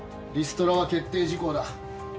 リストラは決定事項だ。